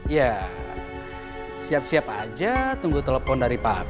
ya siap siap aja tunggu telepon dari pak abdu